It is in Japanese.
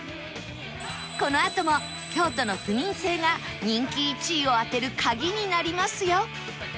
このあとも京都の府民性が人気１位を当てるカギになりますよ